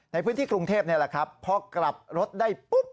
ในพื้นที่กรุงเทพนี่แหละครับพอกลับรถได้ปุ๊บ